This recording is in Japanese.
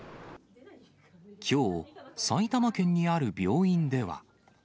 きょう、埼玉県にある病院では。